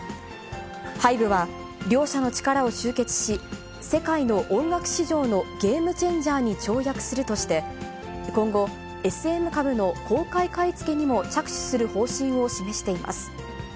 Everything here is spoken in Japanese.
ハイブは両社の力を集結し、世界の音楽市場のゲームチェンジャーに跳躍するとして、今後、ＳＭ株の公開買い付けにも着手する方針を示しています。